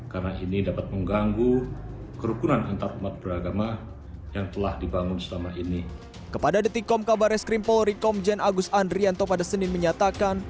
kepada dtkm kabare skrim polri komjen agus andrianto pada senin menyatakan